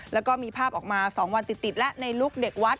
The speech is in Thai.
แล้วก็มีภาพออกมา๒วันติดแล้วในลุคเด็กวัด